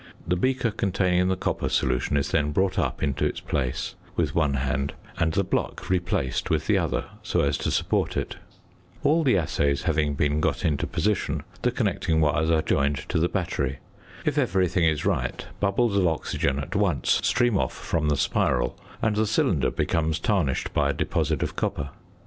The beaker containing the copper solution is then brought up into its place with one hand, and the block replaced with the other so as to support it. All the assays having been got into position, the connecting wires are joined to the battery. If everything is right bubbles of oxygen at once stream off from the spiral, and the cylinder becomes tarnished by a deposit of copper.